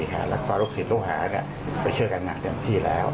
หลักฝ่าลูกศิลป์ลูกหาไปเชื่อกันอย่างเต็มทีแล้ว